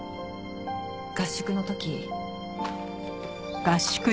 合宿の時。